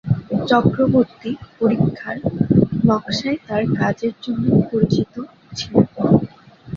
চক্রবর্তী পরীক্ষার নকশায় তার কাজের জন্য পরিচিত ছিলেন।